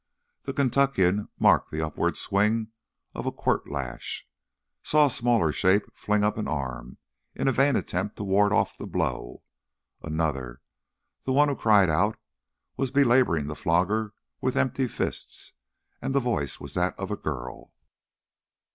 The Kentuckian marked the upward swing of a quirt lash, saw a smaller shape fling up an arm in a vain attempt to ward off the blow. Another, the one who cried out, was belaboring the flogger with empty fists, and the voice was that of a girl!